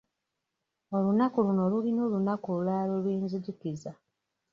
Olunaku luno lulina olunaku olulala lwe lunzijukiza.